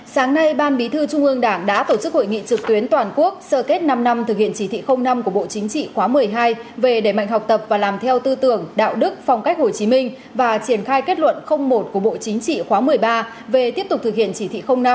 sáng nay ban bí thư trung ương đảng đã tổ chức hội nghị trực tuyến toàn quốc sơ kết năm năm thực hiện chỉ thị năm của bộ chính trị khóa một mươi hai về đẩy mạnh học tập và làm theo tư tưởng đạo đức phong cách hồ chí minh và triển khai kết luận một của bộ chính trị khóa một mươi ba về tiếp tục thực hiện chỉ thị năm